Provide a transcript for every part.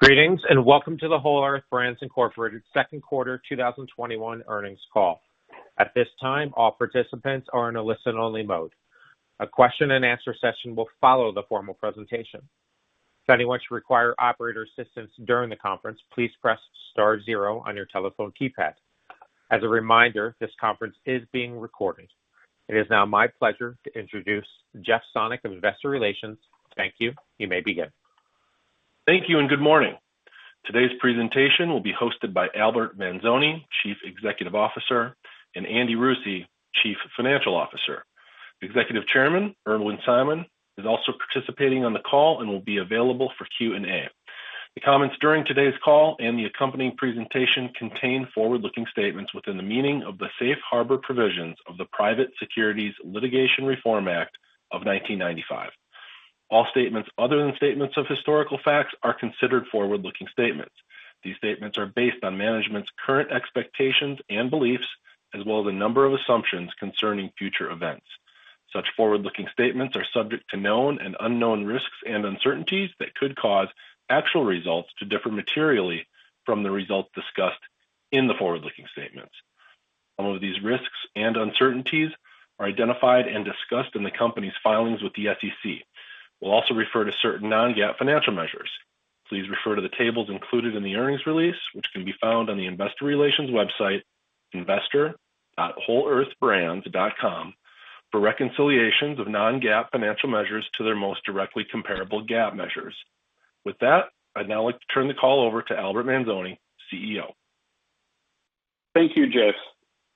Greetings, and welcome to the Whole Earth Brands, Inc. second quarter 2021 earnings call. At this time, all participants are in a listen-only mode. A question and answer session will follow the formal presentation. If anyone should require operator assistance during the conference, please press star zero on your telephone keypad. As a reminder, this conference is being recorded. It is now my pleasure to introduce Jeff Sonnek of Investor Relations. Thank you. You may begin. Thank you and good morning. Today's presentation will be hosted by Albert Manzone, Chief Executive Officer, and Andy Rusie, Chief Financial Officer. Executive Chairman Irwin Simon is also participating on the call and will be available for Q&A. The comments during today's call and the accompanying presentation contain forward-looking statements within the meaning of the Safe Harbor Provisions of the Private Securities Litigation Reform Act of 1995. All statements other than statements of historical facts are considered forward-looking statements. These statements are based on management's current expectations and beliefs, as well as a number of assumptions concerning future events. Such forward-looking statements are subject to known and unknown risks and uncertainties that could cause actual results to differ materially from the results discussed in the forward-looking statements. Some of these risks and uncertainties are identified and discussed in the company's filings with the SEC. We'll also refer to certain non-GAAP financial measures. Please refer to the tables included in the earnings release, which can be found on the investor relations website, investor.wholeearthbrands.com, for reconciliations of non-GAAP financial measures to their most directly comparable GAAP measures. With that, I'd now like to turn the call over to Albert Manzone, CEO. Thank you, Jeff,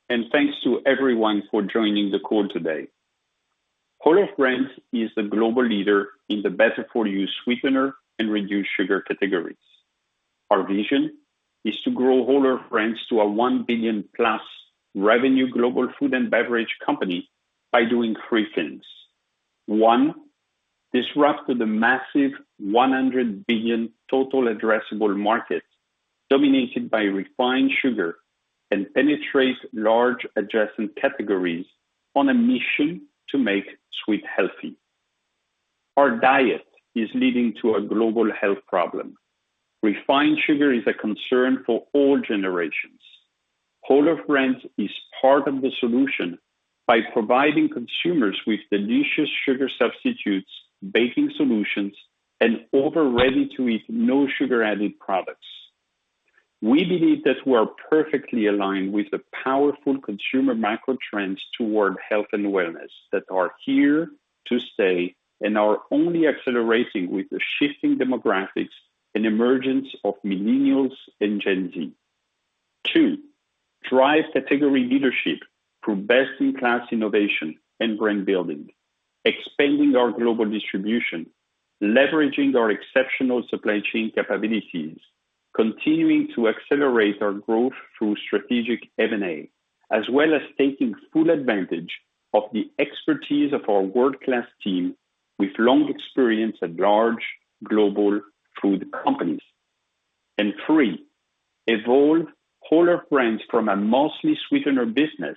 and thanks to everyone for joining the call today. Whole Earth Brands is the global leader in the better-for-you sweetener and reduced sugar categories. Our vision is to grow Whole Earth Brands to a $1+ billion revenue global food and beverage company by doing three things. One, disrupt the massive $100 billion total addressable market dominated by refined sugar and penetrate large adjacent categories on a mission to make sweet healthy. Our diet is leading to a global health problem. Refined sugar is a concern for all generations. Whole Earth Brands is part of the solution by providing consumers with delicious sugar substitutes, baking solutions, and other ready-to-eat no sugar added products. We believe that we are perfectly aligned with the powerful consumer macro trends toward health and wellness that are here to stay and are only accelerating with the shifting demographics and emergence of millennials and Gen Z. Two, drive category leadership through best-in-class innovation and brand building, expanding our global distribution, leveraging our exceptional supply chain capabilities, continuing to accelerate our growth through strategic M&A, as well as taking full advantage of the expertise of our world-class team with long experience at large global food companies. Three, evolve Whole Earth Brands from a mostly sweetener business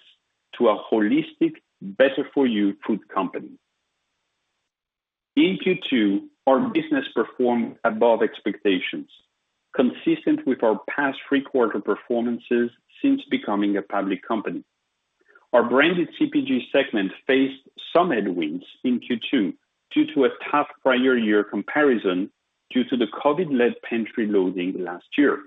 to a holistic, better-for-you food company. In Q2, our business performed above expectations, consistent with our past three quarter performances since becoming a public company. Our Branded CPG segment faced some headwinds in Q2 due to a tough prior year comparison due to the COVID-led pantry loading last year.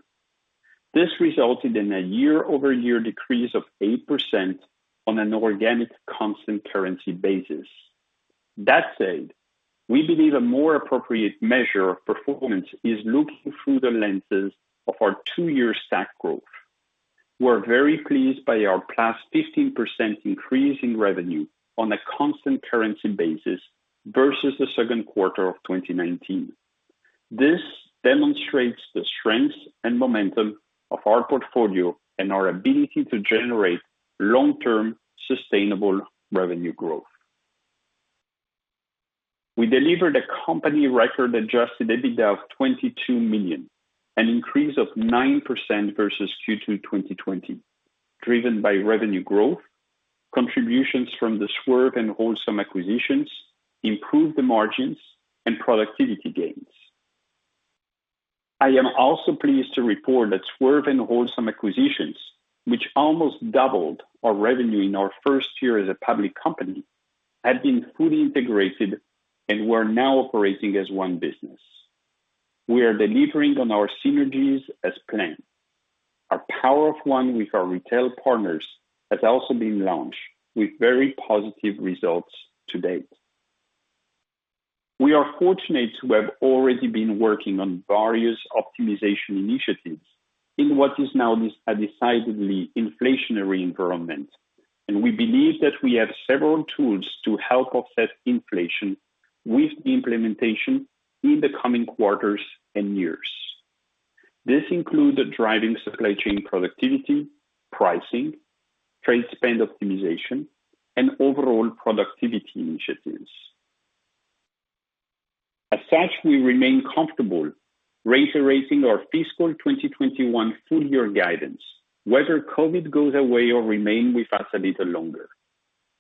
This resulted in a year-over-year decrease of 8% on an organic constant currency basis. We believe a more appropriate measure of performance is looking through the lenses of our two-year stack growth. We're very pleased by our +15% increase in revenue on a constant currency basis versus the second quarter of 2019. This demonstrates the strength and momentum of our portfolio and our ability to generate long-term sustainable revenue growth. We delivered a company record adjusted EBITDA of $22 million, an increase of 9% versus Q2 2020, driven by revenue growth, contributions from the Swerve and Wholesome acquisitions, improved margins, and productivity gains. I am also pleased to report that Swerve and Wholesome acquisitions, which almost doubled our revenue in our first year as a public company, have been fully integrated and we're now operating as one business. We are delivering on our synergies as planned. Our Power of One with our retail partners has also been launched, with very positive results to date. We are fortunate to have already been working on various optimization initiatives in what is now a decidedly inflationary environment. We believe that we have several tools to help offset inflation with implementation in the coming quarters and years. This includes driving supply chain productivity, pricing, trade spend optimization, and overall productivity initiatives. As such, we remain comfortable reiterating our fiscal 2021 full-year guidance, whether COVID goes away or remains with us a little longer.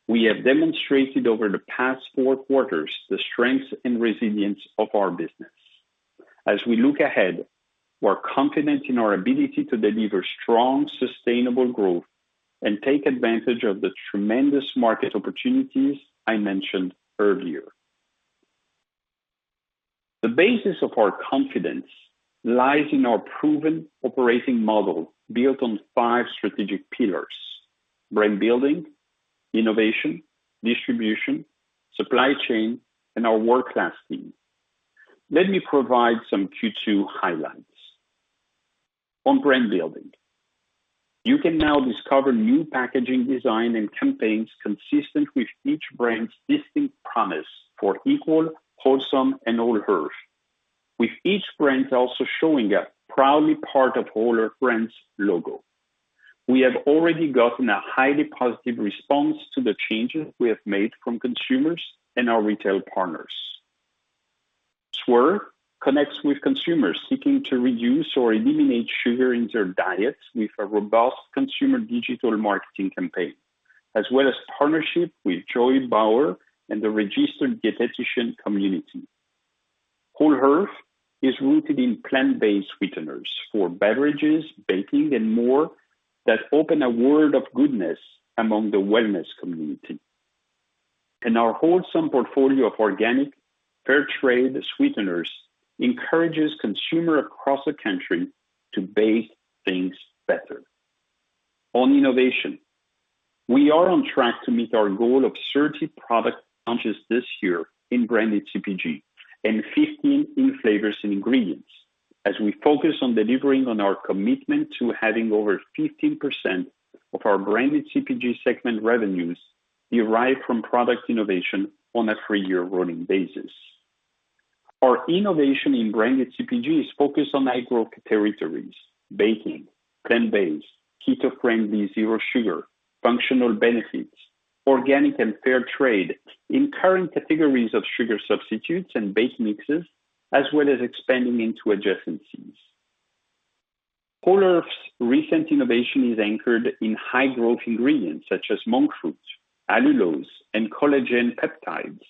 We have demonstrated over the past four quarters the strength and resilience of our business. As we look ahead, we're confident in our ability to deliver strong, sustainable growth and take advantage of the tremendous market opportunities I mentioned earlier. The basis of our confidence lies in our proven operating model built on five strategic pillars, brand building, innovation, distribution, supply chain, and our world-class team. Let me provide some Q2 highlights. On brand building. You can now discover new packaging design and campaigns consistent with each brand's distinct promise for Equal, Wholesome, and Whole Earth. With each brand also showing a proudly part of Whole Earth Brands logo. We have already gotten a highly positive response to the changes we have made from consumers and our retail partners. Swerve connects with consumers seeking to reduce or eliminate sugar in their diets with a robust consumer digital marketing campaign, as well as partnership with Joy Bauer and the registered dietitian community. Whole Earth is rooted in plant-based sweeteners for beverages, baking, and more that open a world of goodness among the wellness community. Our Wholesome portfolio of organic Fairtrade sweeteners encourages consumer across the country to bake things better. On innovation. We are on track to meet our goal of 30 product launches this year in branded CPG and 15 in flavors and ingredients as we focus on delivering on our commitment to having over 15% of our Branded CPG segment revenues derived from product innovation on a three-year rolling basis. Our innovation in branded CPG is focused on high-growth territories, baking, plant-based, keto-friendly, zero sugar, functional benefits, organic and fair-trade in current categories of sugar substitutes and bake mixes, as well as expanding into adjacencies. Whole Earth's recent innovation is anchored in high growth ingredients such as monk fruit, allulose, and collagen peptides,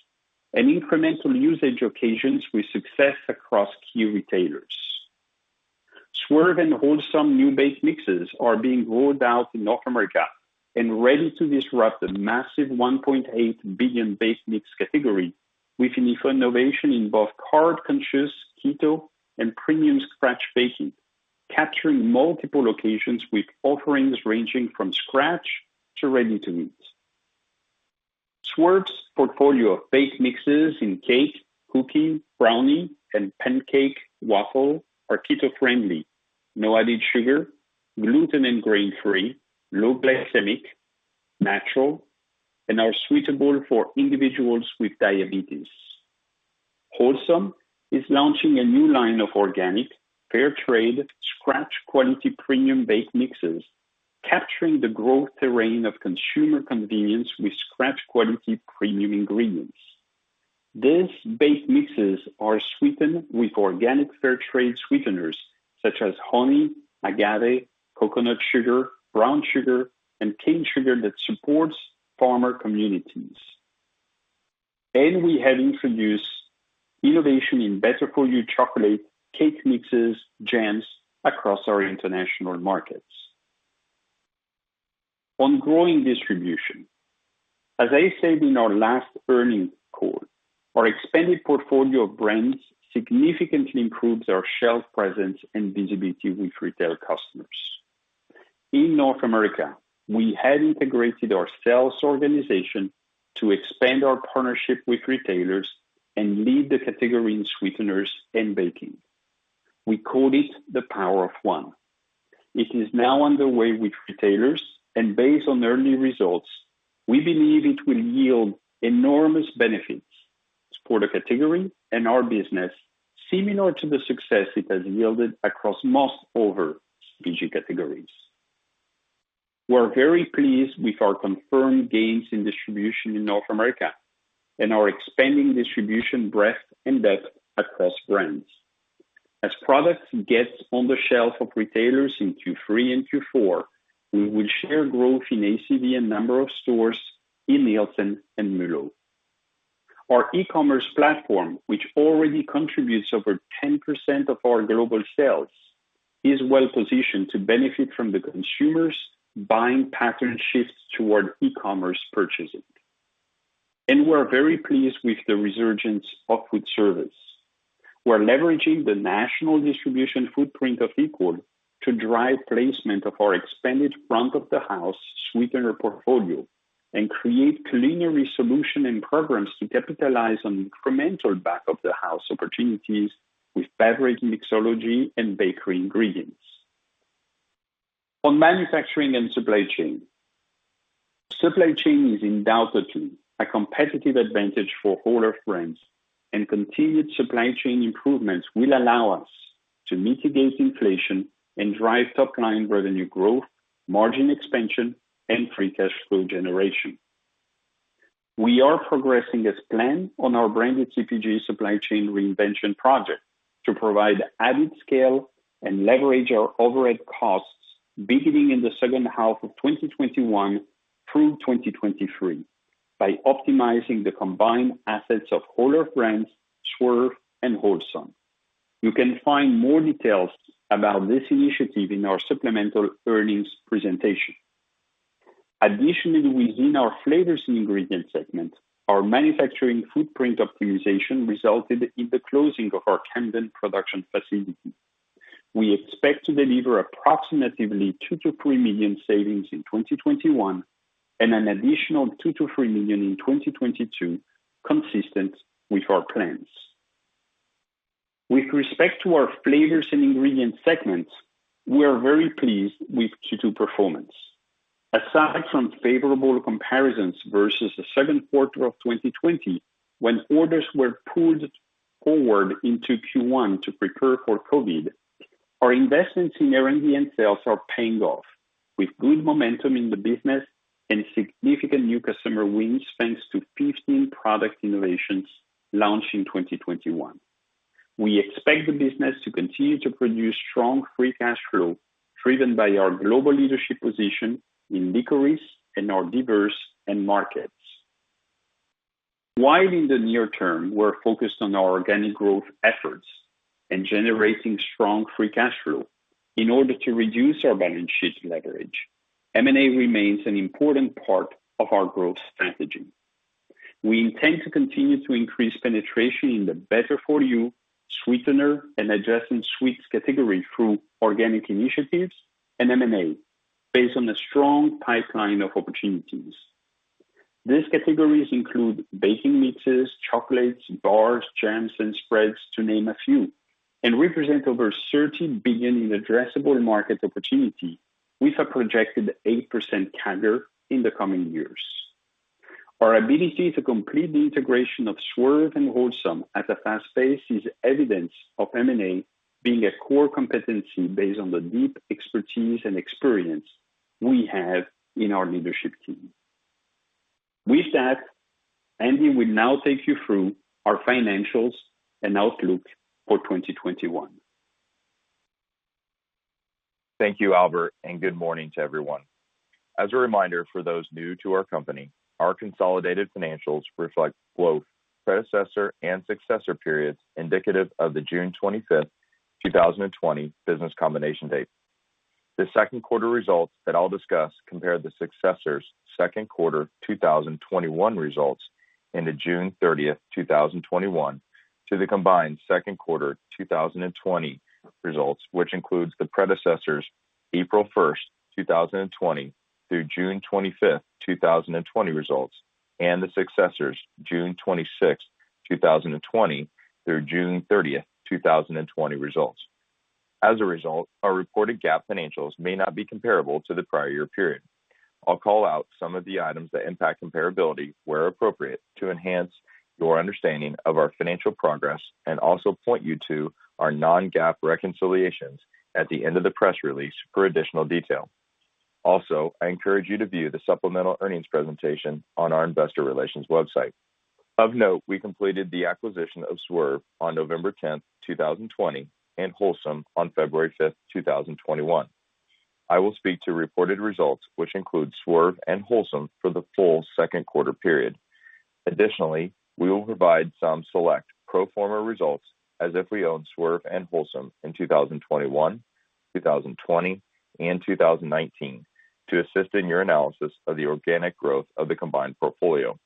and incremental usage occasions with success across key retailers. Swerve and Wholesome new bake mixes are being rolled out in North America and ready to disrupt the massive $1.8 billion bake mix category with innovation in both carb-conscious, keto and premium scratch baking, capturing multiple occasions with offerings ranging from scratch to ready-to-use. Swerve's portfolio of bake mixes in cake, cookie, brownie, and pancake, waffle are keto friendly, no added sugar, gluten and grain free, low glycemic, natural, and are suitable for individuals with diabetes. Wholesome is launching a new line of organic fair-trade scratch quality premium bake mixes, capturing the growth terrain of consumer convenience with scratch quality premium ingredients. These bake mixes are sweetened with organic fair-trade sweeteners such as honey, agave, coconut sugar, brown sugar and cane sugar that supports farmer communities. We have introduced innovation in better-for-you chocolate, cake mixes, jams across our international markets. On growing distribution. As I said in our last earning call, our expanded portfolio of brands significantly improves our shelf presence and visibility with retail customers. In North America, we have integrated our sales organization to expand our partnership with retailers and lead the category in sweeteners and baking. We call it the Power of One. It is now underway with retailers and based on early results, we believe it will yield enormous benefits for the category and our business similar to the success it has yielded across most Whole Earth CPG categories. We're very pleased with our confirmed gains in distribution in North America and our expanding distribution breadth and depth across brands. As products get on the shelf of retailers in Q3 and Q4, we will share growth in ACV and number of stores in the Nielsen and MULO. Our e-commerce platform, which already contributes over 10% of our global sales, is well positioned to benefit from the consumers' buying pattern shifts toward e-commerce purchasing. We're very pleased with the resurgence of foodservice. We're leveraging the national distribution footprint of Equal to drive placement of our expanded front of the house sweetener portfolio and create culinary solution and programs to capitalize on incremental back of the house opportunities with beverage mixology and bakery ingredients. On manufacturing and supply chain. Supply chain is undoubtedly a competitive advantage for Whole Earth Brands and continued supply chain improvements will allow us to mitigate inflation and drive top line revenue growth, margin expansion, and free cash flow generation. We are progressing as planned on our branded CPG supply chain reinvention project to provide added scale and leverage our overhead costs beginning in the second half of 2021 through 2023 by optimizing the combined assets of Whole Earth Brands, Swerve, and Wholesome. You can find more details about this initiative in our supplemental earnings presentation. Additionally, within our flavors and ingredients segment, our manufacturing footprint optimization resulted in the closing of our Camden production facility. We expect to deliver approximately $2 million-$3 million savings in 2021, and an additional $2 million-$3 million in 2022, consistent with our plans. With respect to our flavors and ingredients segment, we are very pleased with Q2 performance. Aside from favorable comparisons versus the second quarter of 2020, when orders were pulled forward into Q1 to prepare for COVID, our investments in R&D and sales are paying off with good momentum in the business and significant new customer wins, thanks to 15 product innovations launched in 2021. We expect the business to continue to produce strong free cash flow driven by our global leadership position in licorice and our diverse end markets. While in the near term, we're focused on our organic growth efforts and generating strong free cash flow in order to reduce our balance sheet leverage, M&A remains an important part of our growth strategy. We intend to continue to increase penetration in the better-for-you sweetener and adjacent sweets category through organic initiatives and M&A based on a strong pipeline of opportunities. These categories include baking mixes, chocolates, bars, jams and spreads to name a few, and represent over $13 billion in addressable market opportunity with a projected 8% CAGR in the coming years. Our ability to complete the integration of Swerve and Wholesome at a fast pace is evidence of M&A being a core competency based on the deep expertise and experience we have in our leadership team. With that, Andy will now take you through our financials and outlook for 2021. Thank you, Albert, and good morning to everyone. As a reminder for those new to our company, our consolidated financials reflect both predecessor and successor periods indicative of the June 25th, 2020 business combination date. The second quarter results that I'll discuss compare the successor's second quarter 2021 results into June 30th, 2021, to the combined second quarter 2020 results, which includes the predecessor's April 1st, 2020 through June 25th, 2020 results, and the successor's June 26th, 2020 through June 30th, 2020 results. As a result, our reported GAAP financials may not be comparable to the prior year period. I'll call out some of the items that impact comparability where appropriate to enhance your understanding of our financial progress and also point you to our non-GAAP reconciliations at the end of the press release for additional detail. Also, I encourage you to view the supplemental earnings presentation on our investor relations website. Of note, we completed the acquisition of Swerve on November 10th, 2020, and Wholesome on February 5th, 2021. I will speak to reported results, which include Swerve and Wholesome for the full second quarter period. Additionally, we will provide some select pro forma results as if we owned Swerve and Wholesome in 2021, 2020, and 2019 to assist in your analysis of the organic growth of the combined portfolio.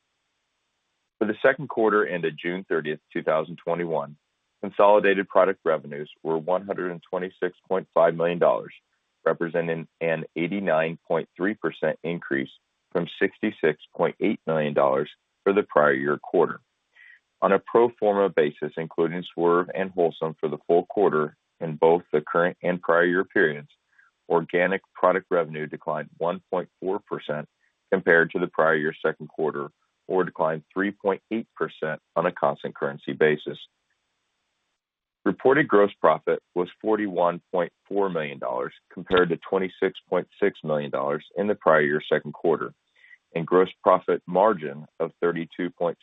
For the second quarter ended June 30th, 2021, consolidated product revenues were $126.5 million, representing an 89.3% increase from $66.8 million for the prior year quarter. On a pro forma basis, including Swerve and Wholesome for the full quarter in both the current and prior year periods, organic product revenue declined 1.4% compared to the prior year second quarter or declined 3.8% on a constant currency basis. Reported gross profit was $41.4 million compared to $26.6 million in the prior year second quarter, and gross profit margin of 32.7%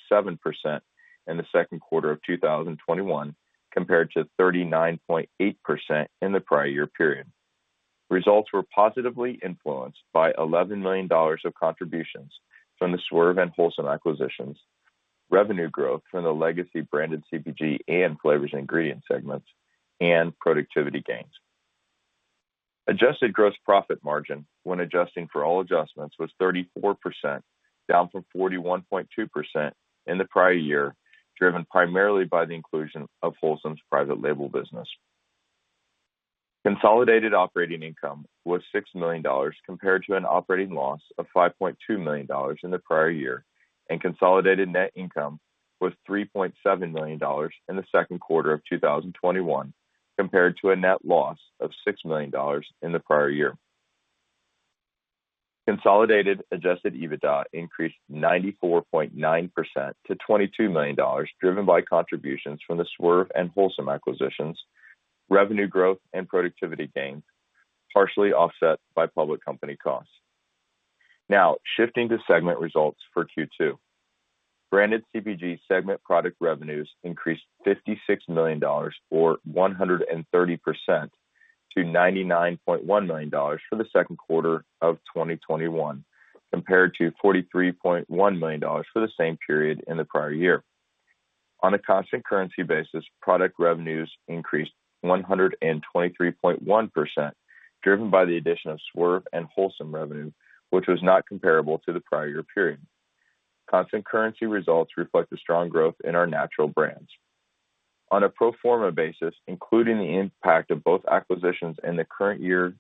in the second quarter of 2021 compared to 39.8% in the prior year period. Results were positively influenced by $11 million of contributions from the Swerve and Wholesome acquisitions, revenue growth from the legacy branded CPG and flavors and ingredients segments, and productivity gains. Adjusted gross profit margin when adjusting for all adjustments was 34%, down from 41.2% in the prior year, driven primarily by the inclusion of Wholesome's private label business. Consolidated operating income was $6 million compared to an operating loss of $5.2 million in the prior year, and consolidated net income was $3.7 million in the second quarter of 2021 compared to a net loss of $6 million in the prior year. Consolidated adjusted EBITDA increased 94.9% to $22 million, driven by contributions from the Swerve and Wholesome acquisitions, revenue growth and productivity gains, partially offset by public company costs. Shifting to segment results for Q2. Branded CPG segment product revenues increased $56 million, or 130%, to $99.1 million for the second quarter of 2021, compared to $43.1 million for the same period in the prior year. On a constant currency basis, product revenues increased 123.1%, driven by the addition of Swerve and Wholesome revenue, which was not comparable to the prior year period. Constant currency results reflect the strong growth in our natural brands. On a pro forma basis, including the impact of both acquisitions in the current year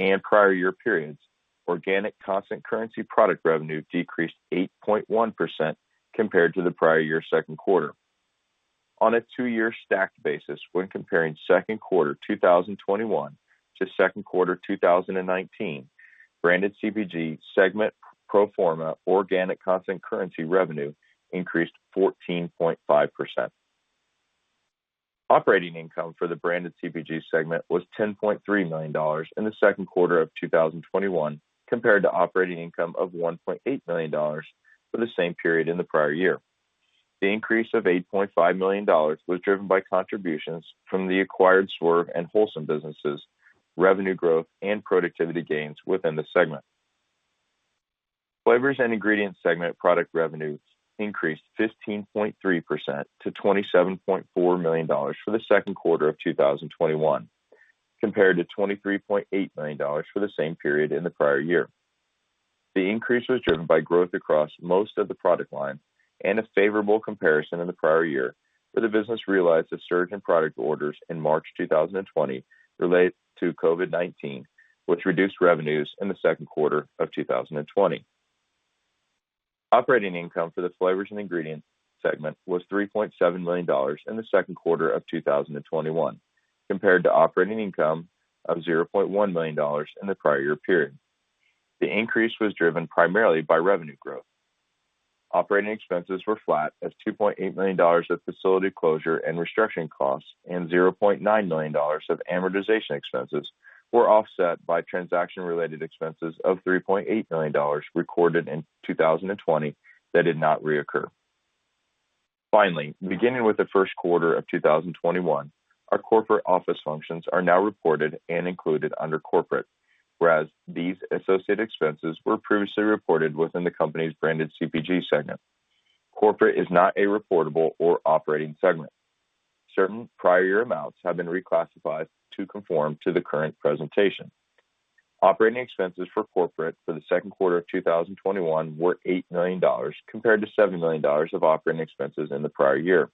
and prior year periods, organic constant currency product revenue decreased 8.1% compared to the prior year second quarter. On a two-year stacked basis, when comparing second quarter 2021 to second quarter 2019, Branded CPG segment pro forma organic constant currency revenue increased 14.5%. Operating income for the Branded CPG segment was $10.3 million in the second quarter of 2021, compared to operating income of $1.8 million for the same period in the prior year. The increase of $8.5 million was driven by contributions from the acquired Swerve and Wholesome businesses, revenue growth, and productivity gains within the segment. Flavors and Ingredients segment product revenues increased 15.3% to $27.4 million for the second quarter of 2021, compared to $23.8 million for the same period in the prior year. The increase was driven by growth across most of the product line and a favorable comparison in the prior year, where the business realized a surge in product orders in March 2020 related to COVID-19, which reduced revenues in the second quarter of 2020. Operating income for the Flavors and Ingredients segment was $3.7 million in the second quarter of 2021, compared to operating income of $0.1 million in the prior year period. The increase was driven primarily by revenue growth. Operating expenses were flat as $2.8 million of facility closure and restructuring costs and $0.9 million of amortization expenses were offset by transaction-related expenses of $3.8 million recorded in 2020 that did not reoccur. Finally, beginning with the first quarter of 2021, our corporate office functions are now reported and included under Corporate, whereas these associated expenses were previously reported within the company's Branded CPG segment. Corporate is not a reportable or operating segment. Certain prior year amounts have been reclassified to conform to the current presentation. Operating expenses for Corporate for the second quarter of 2021 were $8 million, compared to $7 million of operating expenses in the prior year.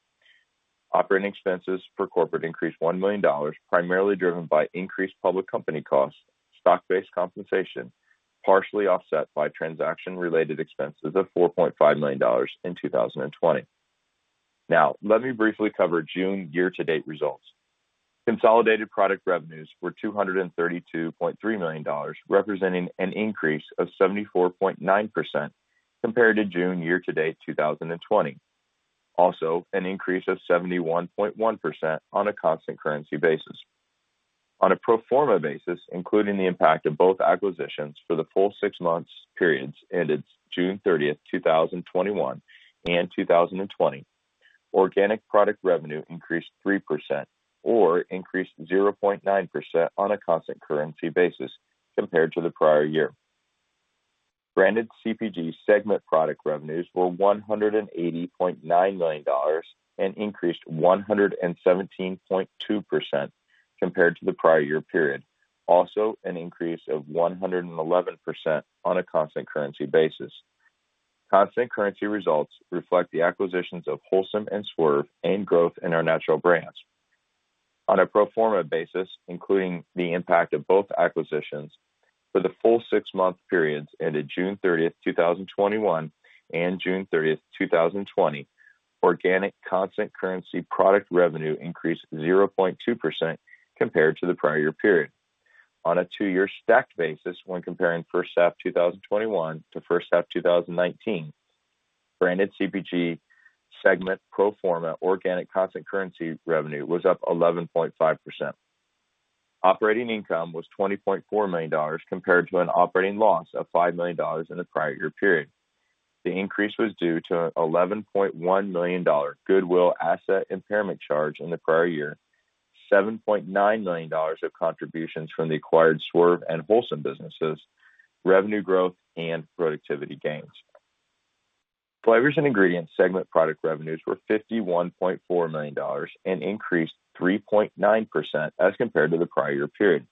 Operating expenses for Corporate increased $1 million, primarily driven by increased public company costs, stock-based compensation, partially offset by transaction-related expenses of $4.5 million in 2020. Now, let me briefly cover June year-to-date results. Consolidated product revenues were $232.3 million, representing an increase of 74.9% compared to June year-to-date 2020. An increase of 71.1% on a constant currency basis. On a pro forma basis, including the impact of both acquisitions for the full six months periods ended June 30th, 2021 and 2020, organic product revenue increased 3% or increased 0.9% on a constant currency basis compared to the prior year. Branded CPG segment product revenues were $180.9 million and increased 117.2% compared to the prior year period. Also, an increase of 111% on a constant currency basis. Constant currency results reflect the acquisitions of Wholesome and Swerve and growth in our natural brands. On a pro forma basis, including the impact of both acquisitions for the full six-month periods ended June 30th, 2021 and June 30th, 2020, organic constant currency product revenue increased 0.2% compared to the prior year period. On a two-year stacked basis when comparing first half 2021 to first half 2019, Branded CPG segment pro forma organic constant currency revenue was up 11.5%. Operating income was $20.4 million compared to an operating loss of $5 million in the prior year period. The increase was due to a $11.1 million goodwill asset impairment charge in the prior year, $7.9 million of contributions from the acquired Swerve and Wholesome businesses, revenue growth, and productivity gains. Flavors and Ingredients segment product revenues were $51.4 million and increased 3.9% as compared to the prior year period.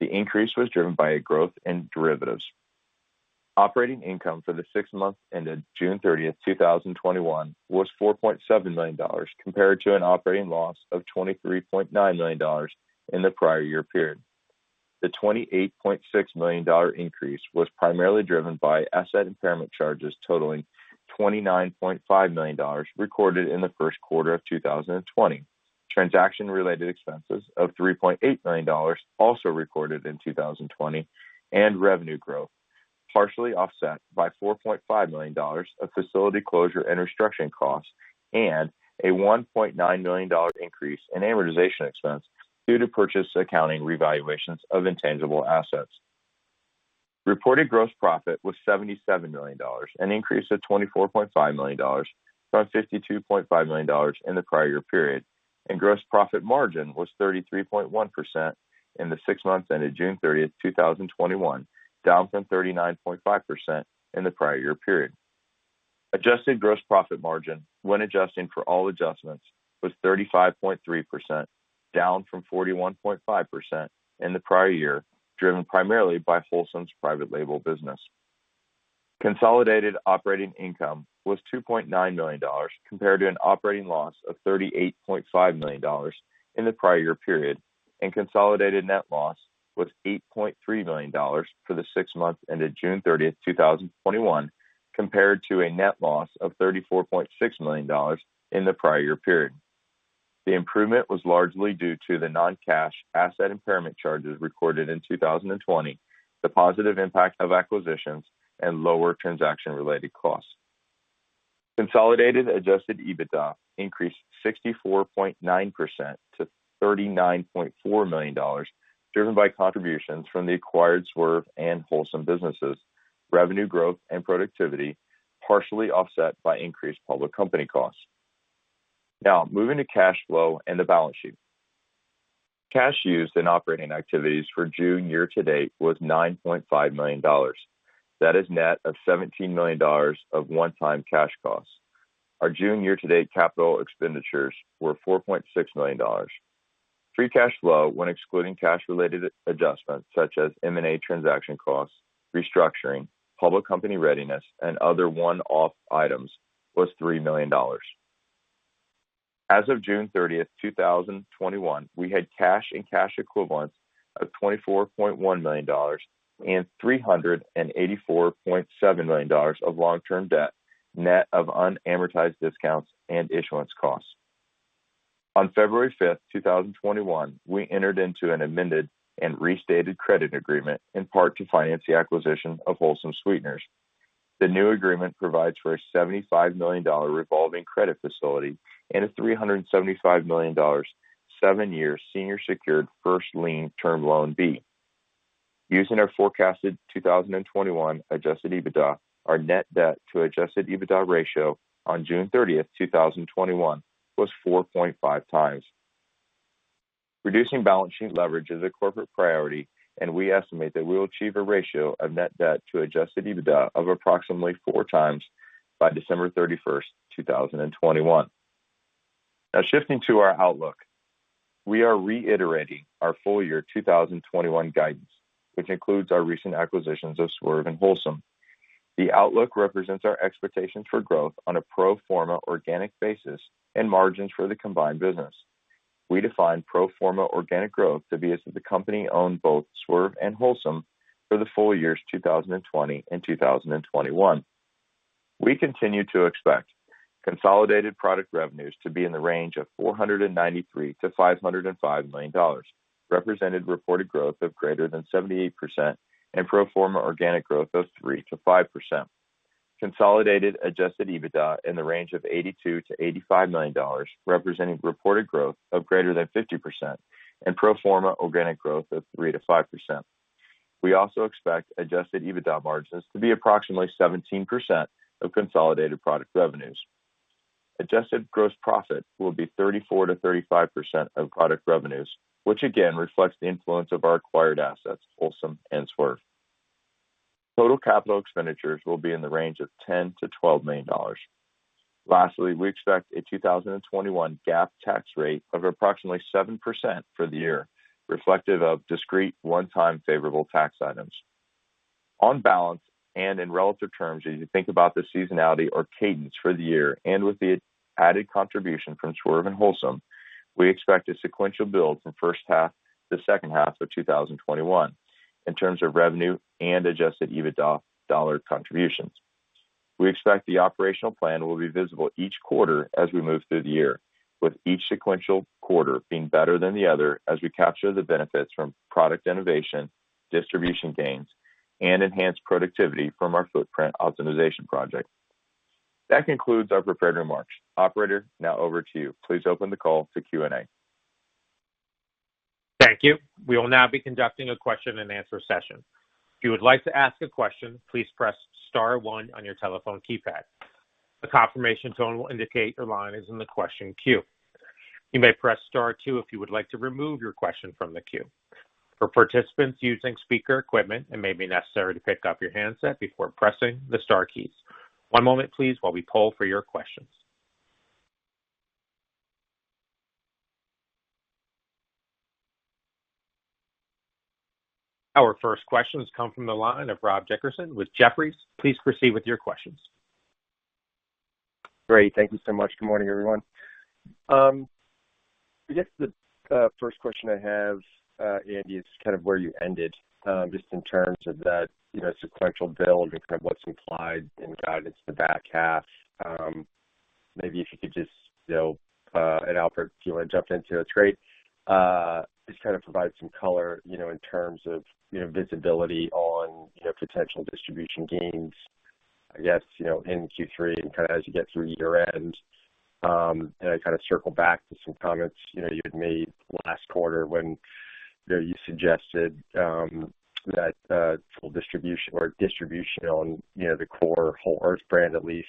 The increase was driven by a growth in derivatives. Operating income for the six months ended June 30th, 2021 was $4.7 million, compared to an operating loss of $23.9 million in the prior year period. The $28.6 million increase was primarily driven by asset impairment charges totaling $29.5 million recorded in the first quarter of 2020, transaction-related expenses of $3.8 million also recorded in 2020, and revenue growth, partially offset by $4.5 million of facility closure and restructuring costs, and a $1.9 million increase in amortization expense due to purchase accounting revaluations of intangible assets. Reported gross profit was $77 million, an increase of $24.5 million from $52.5 million in the prior year period. Gross profit margin was 33.1% in the six months ended June 30th, 2021, down from 39.5% in the prior year period. Adjusted gross profit margin, when adjusting for all adjustments, was 35.3%, down from 41.5% in the prior year, driven primarily by Wholesome's private label business. Consolidated operating income was $2.9 million, compared to an operating loss of $38.5 million in the prior year period. Consolidated net loss was $8.3 million for the six months ended June 30th, 2021, compared to a net loss of $34.6 million in the prior year period. The improvement was largely due to the non-cash asset impairment charges recorded in 2020, the positive impact of acquisitions, and lower transaction-related costs. Consolidated adjusted EBITDA increased 64.9% to $39.4 million, driven by contributions from the acquired Swerve and Wholesome businesses, revenue growth and productivity, partially offset by increased public company costs. Moving to cash flow and the balance sheet. Cash used in operating activities for June year-to-date was $9.5 million. That is net of $17 million of one-time cash costs. Our June year-to-date capital expenditures were $4.6 million. Free cash flow, when excluding cash-related adjustments such as M&A transaction costs, restructuring, public company readiness, and other one-off items, was $3 million. As of June 30th, 2021, we had cash and cash equivalents of $24.1 million and $384.7 million of long-term debt, net of unamortized discounts and issuance costs. On February 5th, 2021, we entered into an amended and restated credit agreement in part to finance the acquisition of Wholesome Sweeteners. The new agreement provides for a $75 million revolving credit facility and a $375 million, seven-year senior secured first lien term loan B. Using our forecasted 2021 adjusted EBITDA, our net debt to adjusted EBITDA ratio on June 30th, 2021 was 4.5x. Reducing balance sheet leverage is a corporate priority, and we estimate that we'll achieve a ratio of net debt to adjusted EBITDA of approximately 4x by December 31st, 2021. Shifting to our outlook. We are reiterating our full year 2021 guidance, which includes our recent acquisitions of Swerve and Wholesome. The outlook represents our expectations for growth on a pro forma organic basis and margins for the combined business. We define pro forma organic growth to be as if the company owned both Swerve and Wholesome for the full years 2020 and 2021. We continue to expect consolidated product revenues to be in the range of $493 million-$505 million, representing reported growth of greater than 78% and pro forma organic growth of 3%-5%. Consolidated adjusted EBITDA in the range of $82 million-$85 million, representing reported growth of greater than 50% and pro forma organic growth of 3%-5%. We also expect adjusted EBITDA margins to be approximately 17% of consolidated product revenues. Adjusted gross profit will be 34%-35% of product revenues, which again reflects the influence of our acquired assets, Wholesome and Swerve. Total capital expenditures will be in the range of $10 million-$12 million. Lastly, we expect a 2021 GAAP tax rate of approximately 7% for the year, reflective of discrete one-time favorable tax items. On balance and in relative terms, as you think about the seasonality or cadence for the year, and with the added contribution from Swerve and Wholesome, we expect a sequential build from first half to second half of 2021 in terms of revenue and adjusted EBITDA dollar contributions. We expect the operational plan will be visible each quarter as we move through the year, with each sequential quarter being better than the other as we capture the benefits from product innovation, distribution gains, and enhanced productivity from our footprint optimization project. That concludes our prepared remarks. Operator, now over to you. Please open the call to Q&A. Thank you. We will now begin the question-and-answer session. If you would like to ask a question please press star one on your telephone keypad. A confirmation tone will indicate your line is in the question queue. You may press star two if you would like to remove your question from the queue. For participants using speaker equipment, it may be necessary to pick up your handset before pressing the star keys. One moment please while we poll for your questions. Our first question has come from the line of Rob Dickerson with Jefferies. Please proceed with your questions. Great. Thank you so much. Good morning, everyone. I guess the first question I have, Andy, is kind of where you ended, just in terms of that sequential build and kind of what's implied in guidance for the back half. Maybe if you could just, and Albert, if you want to jump in too, that's great. Just provide some color, in terms of visibility on potential distribution gains, I guess, in Q3, and as you get through year-end. I circle back to some comments you had made last quarter when you suggested that distribution on the core Whole Earth Brands at least,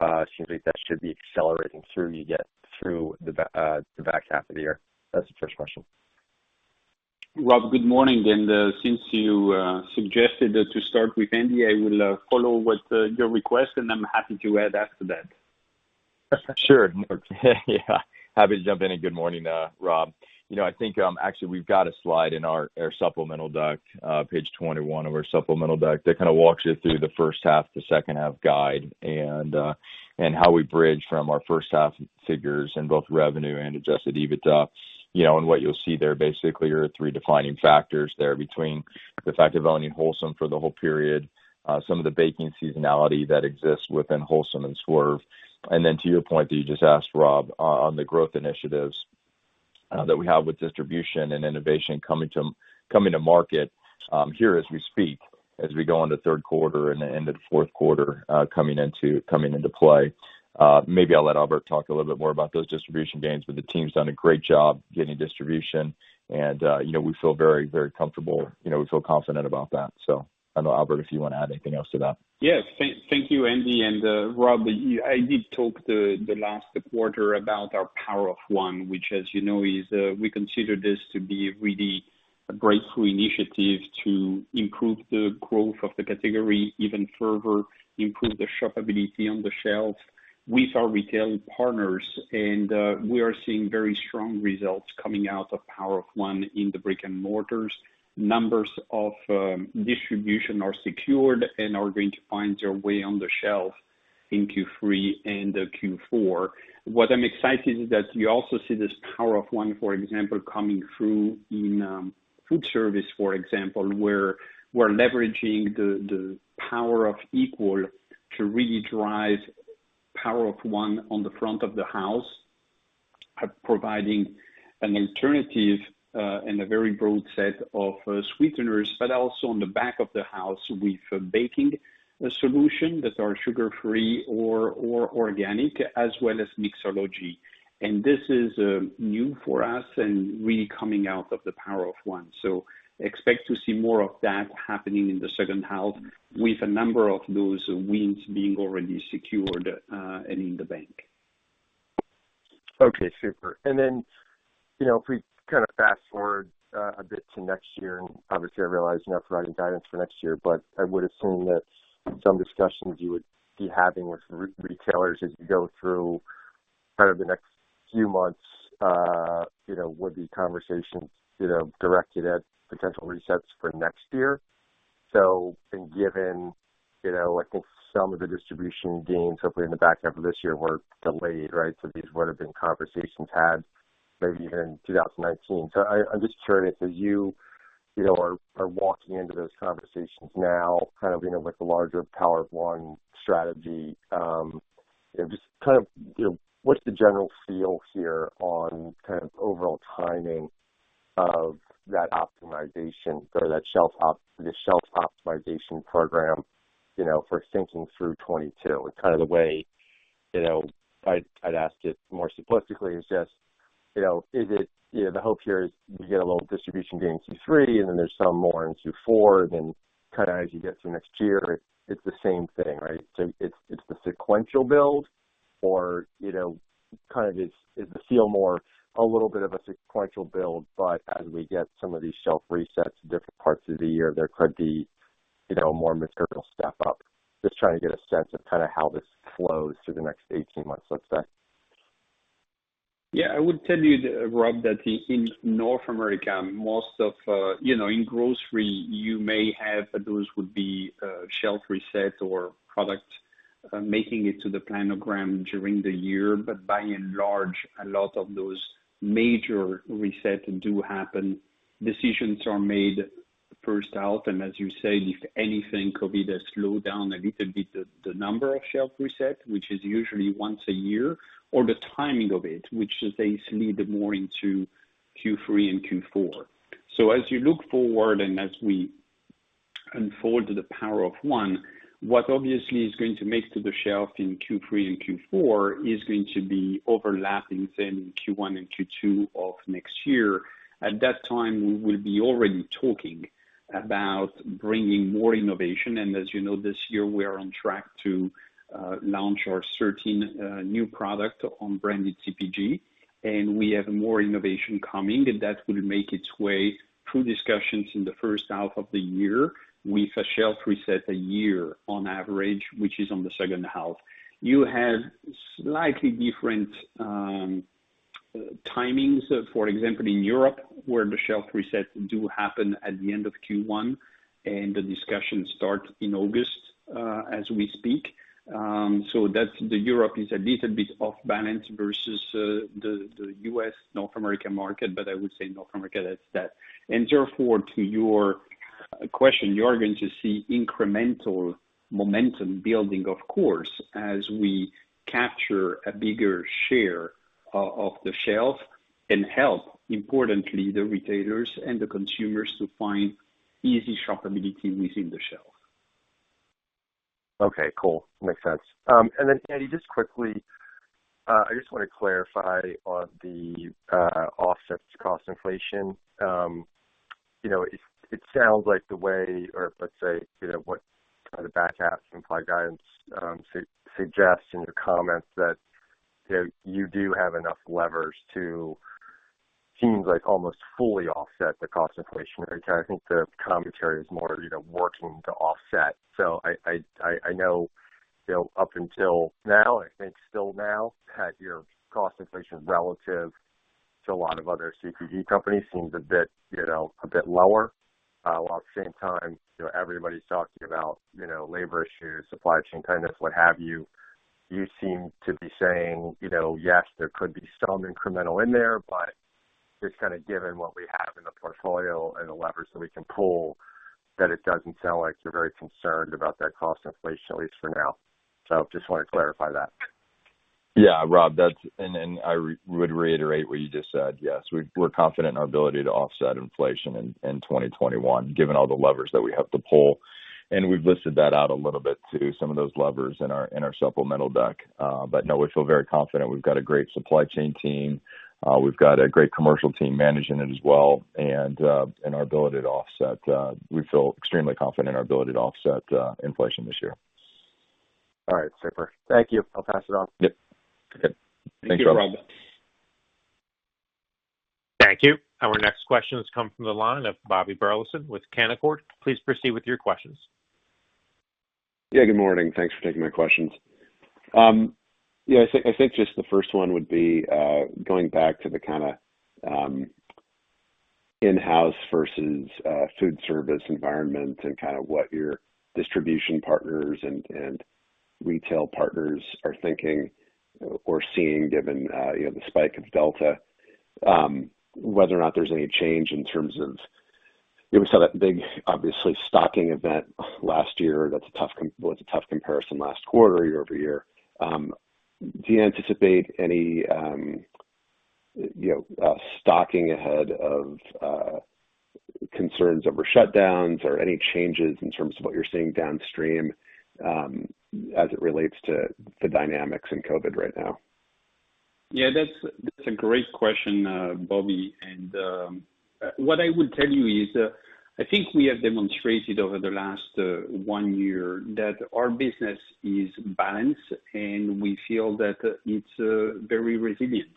it seems like that should be accelerating through the back half of the year. That's the first question. Rob, good morning. Since you suggested to start with Andy, I will follow with your request, and I am happy to add after that. Sure. Yeah. Happy to jump in. Good morning, Rob. I think, actually, we've got a slide in our supplemental deck, page 21 of our supplemental deck, that walks you through the first half to second half guide, and how we bridge from our first half figures in both revenue and adjusted EBITDA. What you'll see there, basically, are three defining factors there between the fact of owning Wholesome for the whole period, some of the baking seasonality that exists within Wholesome and Swerve. Then to your point that you just asked, Rob, on the growth initiatives that we have with distribution and innovation coming to market here as we speak, as we go into third quarter and the end of the fourth quarter coming into play. Maybe I'll let Albert talk a little bit more about those distribution gains, but the team's done a great job getting distribution and we feel very, very comfortable. We feel confident about that. I don't know, Albert, if you want to add anything else to that. Yes. Thank you, Andy, and Rob, I did talk the last quarter about our Power of One, which as you know, we consider this to be a really breakthrough initiative to improve the growth of the category even further, improve the shopability on the shelf with our retailing partners and we are seeing very strong results coming out on the Power of One in the brick and mortars. Numbers of distribution are secured and are going to find their way on the shelf in Q3 and Q4. What I'm excited is that you also see this Power of One, for example, coming through in food service, for example, where we're leveraging the power of Equal to really drive Power of One on the front of the house, providing an alternative in a very broad set of sweeteners. Also on the back of the house with baking solutions that are sugar-free or organic as well as mixology. This is new for us and really coming out of the Power of One. Expect to see more of that happening in the second half with a number of those wins being already secured and in the bank. Okay, super. If we fast-forward a bit to next year, obviously I realize you're not providing guidance for next year, I would assume that some discussions you would be having with retailers as you go through the next few months, would be conversations directed at potential resets for next year. Given, I think some of the distribution gains, hopefully in the back half of this year, were delayed, right? These would've been conversations had maybe even in 2019. I'm just curious as you are walking into those conversations now, like the larger Power of One strategy, what's the general feel here on overall timing of that optimization or the shelf optimization program for thinking through 2022? The way I'd ask it more simplistically is just, the hope here is you get a little distribution gain in Q3 and then there's some more in Q4, then as you get through next year, it's the same thing, right? It's the sequential build or is the feel more a little bit of a sequential build, but as we get some of these shelf resets at different parts of the year, there could be more material step up? Just trying to get a sense of how this flows through the next 18 months, let's say. I would tell you, Rob, that in North America, in grocery, you may have those would be shelf reset or product making it to the planogram during the year. By and large, a lot of those major resets do happen. Decisions are made the first half, and as you say, if anything, COVID has slowed down a little bit, the number of shelf resets, which is usually once a year, or the timing of it, which they slid more into Q3 and Q4. As you look forward and as we unfold the Power of One, what obviously is going to make it to the shelf in Q3 and Q4 is going to be overlapping then in Q1 and Q2 of next year. At that time, we will be already talking about bringing more innovation. As you know, this year we are on track to launch our 13 new product on branded CPG. We have more innovation coming, and that will make its way through discussions in the first half of the year with a shelf reset a year on average, which is on the second half. You have slightly different timings. For example, in Europe, where the shelf resets do happen at the end of Q1. The discussions start in August, as we speak. Europe is a little bit off balance versus the U.S., North American market. I would say North America is that. Therefore, to your question, you are going to see incremental momentum building, of course, as we capture a bigger share of the shelf and help, importantly, the retailers and the consumers to find easy shoppability within the shelf. Okay, cool. Makes sense. Andy, just quickly, I just want to clarify on the offsets cost inflation. It sounds like the way, or let's say, what the back half implied guidance suggests in your comments that you do have enough levers to seems like almost fully offset the cost inflation. I think the commentary is more working to offset. I know up until now, I think still now, that your cost inflation relative to a lot of other CPG companies seems a bit lower. While at the same time, everybody's talking about labor issues, supply chain tightness, what have you. You seem to be saying, yes, there could be some incremental in there, but just kind of given what we have in the portfolio and the levers that we can pull, that it doesn't sound like you're very concerned about that cost inflation, at least for now. Just want to clarify that. Rob, I would reiterate what you just said. Yes, we're confident in our ability to offset inflation in 2021, given all the levers that we have to pull. We've listed that out a little bit, too, some of those levers in our supplemental deck. No, we feel very confident. We've got a great supply chain team. We've got a great commercial team managing it as well. In our ability to offset, we feel extremely confident in our ability to offset inflation this year. All right, super. Thank you. I'll pass it off. Yep. Okay. Thanks, Rob. Thank you, Rob. Thank you. Our next question has come from the line of Bobby Burleson with Canaccord. Please proceed with your questions. Yeah, good morning. Thanks for taking my questions. Yeah, I think just the first one would be, going back to the kind of in-house versus food service environment and what your distribution partners and retail partners are thinking or seeing given the spike of Delta. Whether or not there's any change in terms of-- we saw that big, obviously, stocking event last year that was a tough comparison last quarter, year-over-year. Do you anticipate any stocking ahead of concerns over shutdowns or any changes in terms of what you're seeing downstream as it relates to the dynamics in COVID right now? That's a great question, Bobby. What I would tell you is, I think we have demonstrated over the last one year that our business is balanced, and we feel that it's very resilient.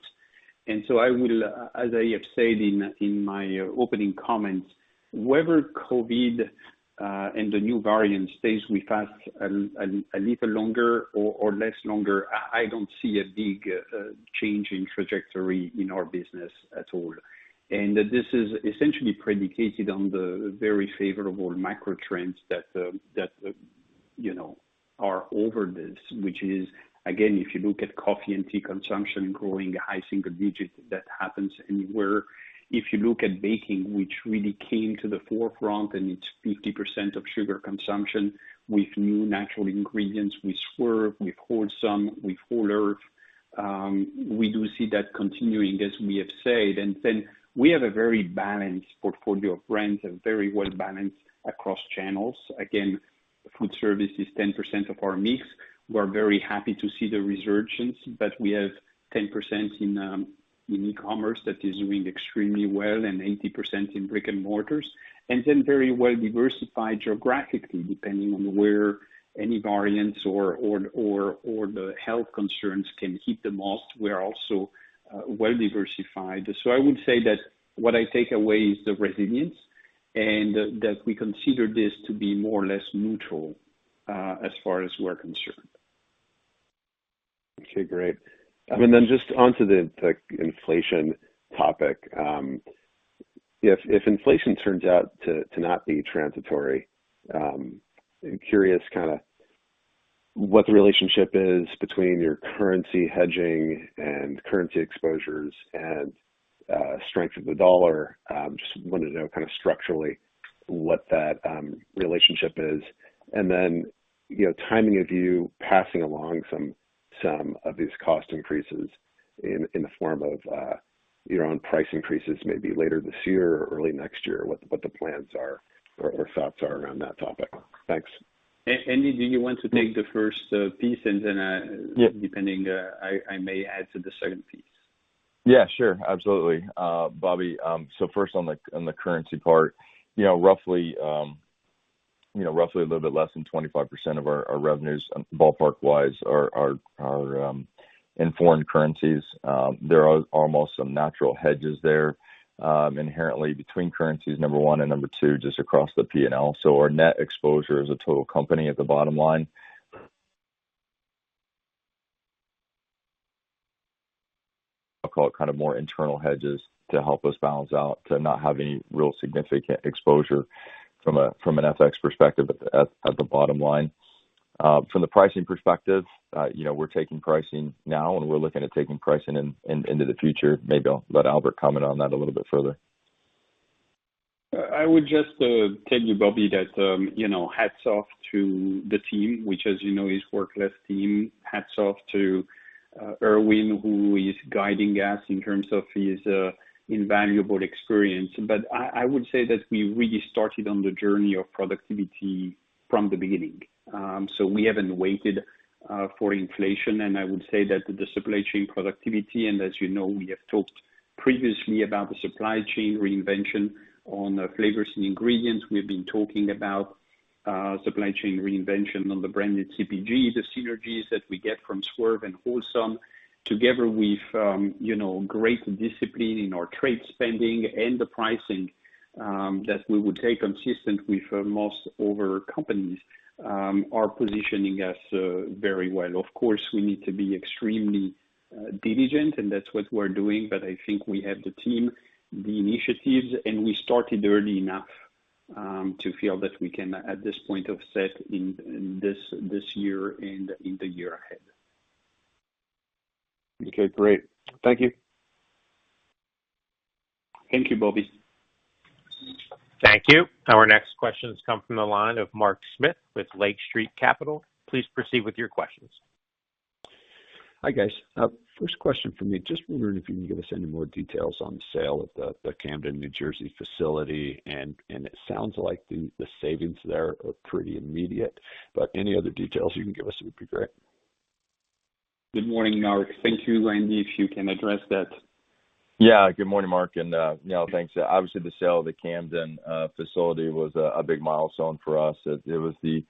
So I will, as I have said in my opening comments, whether COVID and the new variant stays with us a little longer or less longer, I don't see a big change in trajectory in our business at all. This is essentially predicated on the very favorable macro trends that are over this, which is, again, if you look at coffee and tea consumption growing high single digits, that happens anywhere. If you look at baking, which really came to the forefront, and it's 50% of sugar consumption with new natural ingredients, with Swerve, with Wholesome, with Whole Earth. We do see that continuing, as we have said. We have a very balanced portfolio of brands and very well-balanced across channels. Food service is 10% of our mix. We're very happy to see the resurgence, but we have 10% in e-commerce that is doing extremely well and 80% in brick and mortars. Very well-diversified geographically, depending on where any variants or the health concerns can hit the most. We're also well-diversified. I would say that what I take away is the resilience and that we consider this to be more or less neutral as far as we're concerned. Okay, great. Just onto the inflation topic. If inflation turns out to not be transitory, I'm curious what the relationship is between your currency hedging and currency exposures and strength of the dollar. Just wanted to know structurally what that relationship is. Timing of you passing along some of these cost increases in the form of your own price increases maybe later this year or early next year, what the plans are or thoughts are around that topic. Thanks. Andy, do you want to take the first piece and then- Yeah. Depending, I may add to the second piece. Yeah, sure. Absolutely. Bobby, first on the currency part. Roughly a little bit less than 25% of our revenues, ballpark wise, are in foreign currencies. There are almost some natural hedges there inherently between currencies, number one, and number two, just across the P&L. Our net exposure as a total company at the bottom line, I'll call it kind of more internal hedges to help us balance out to not have any real significant exposure from an FX perspective at the bottom line. From the pricing perspective, we're taking pricing now and we're looking at taking pricing into the future. Maybe I'll let Albert comment on that a little bit further. I would just tell you, Bobby, that hats off to the team, which as you know, is world-class team. Hats off to Irwin, who is guiding us in terms of his invaluable experience. I would say that we really started on the journey of productivity from the beginning. We haven't waited for inflation, and I would say that the supply chain productivity, and as you know, we have talked previously about the supply chain reinvention on the flavors and ingredients. We've been talking about supply chain reinvention on the branded CPG, the synergies that we get from Swerve and Wholesome, together with great discipline in our trade spending and the pricing that we would take consistent with most other companies are positioning us very well. Of course, we need to be extremely diligent, and that's what we're doing. I think we have the team, the initiatives, and we started early enough to feel that we can, at this point, offset in this year and in the year ahead. Okay, great. Thank you. Thank you, Bobby. Thank you. Our next questions come from the line of Mark Smith with Lake Street Capital. Please proceed with your questions. Hi, guys. First question from me. Just wondering if you can give us any more details on the sale of the Camden, New Jersey facility, and it sounds like the savings there are pretty immediate. Any other details you can give us would be great. Good morning, Mark. Thank you, Andy, if you can address that. Good morning, Mark, and thanks. Obviously, the sale of the Camden facility was a big milestone for us. It was the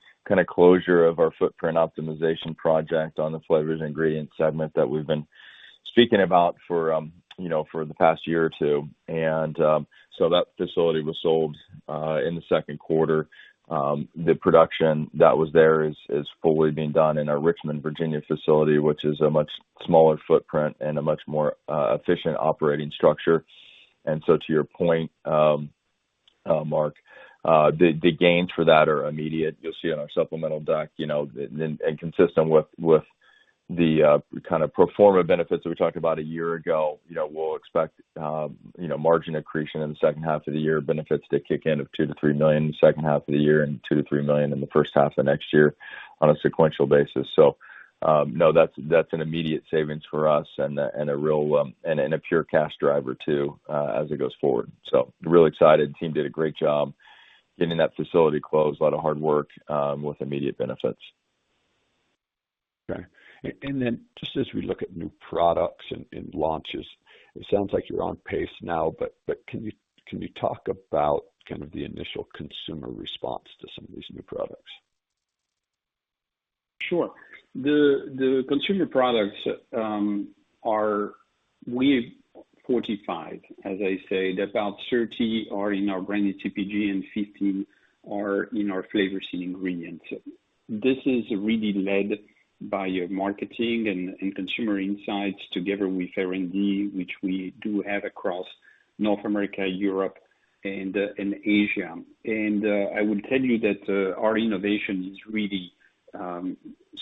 closure of our footprint optimization project on the flavors and ingredients segment that we've been speaking about for the past year or two. That facility was sold in the second quarter. The production that was there is fully being done in our Richmond, Virginia facility, which is a much smaller footprint and a much more efficient operating structure. To your point, Mark, the gains for that are immediate. You'll see on our supplemental deck, and consistent with the pro forma benefits that we talked about a year ago. We'll expect margin accretion in the second half of the year, benefits that kick in of $2 million-$3 million in the second half of the year and $2 million-$3 million in the first half of next year on a sequential basis. No, that's an immediate savings for us and a pure cash driver too, as it goes forward. We are really excited. Team did a great job getting that facility closed. It was a lot of hard work with immediate benefits. Okay. Just as we look at new products and launches, it sounds like you're on pace now, can you talk about the initial consumer response to some of these new products? Sure. The consumer products are with 45, as I said, about 30 are in our branded CPG and 15 are in our flavors and ingredients. This is really led by marketing and consumer insights together with R&D, which we do have across North America, Europe and Asia. I would tell you that our innovation is really